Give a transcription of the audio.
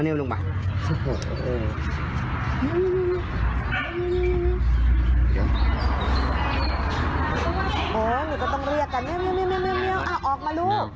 นี่ก็ต้องเรียกกันเนี่ยออกมาดู